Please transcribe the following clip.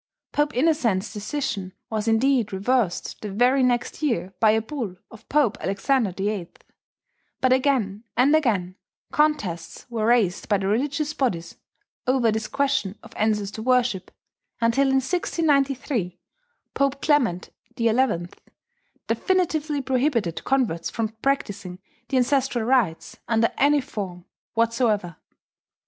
Pope Innocent's decision was indeed reversed the very next year by a bull of Pope Alexander VIII; but again and again contests were raised by the religious bodies over this question of ancestor worship, until in 1693 Pope Clement XI definitively prohibited converts from practising the ancestral rites under any form whatsoever....